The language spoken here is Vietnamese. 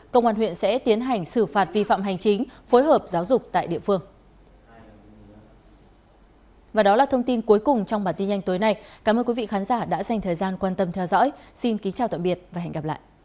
công an huyện sẽ tiến hành xử phạt vi phạm hành chính phối hợp giáo dục tại địa phương